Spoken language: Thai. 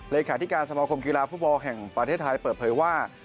เลขาธิการสมาคมกีฬาฟุตบอลแห่งประเทศไทยเปิดเผยว่า